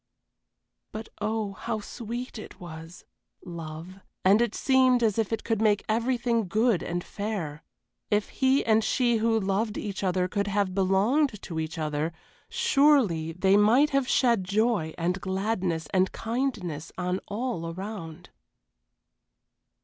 But oh, how sweet it was! love and it seemed as if it could make everything good and fair. If he and she who loved each other could have belonged to each other, surely they might have shed joy and gladness and kindness on all around.